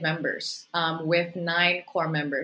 dengan sembilan anggota korea